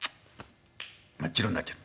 「真っ白になっちゃった。